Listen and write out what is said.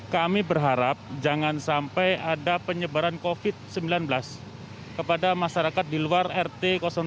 kami berharap jangan sampai ada penyebaran covid sembilan belas kepada masyarakat di luar rt dua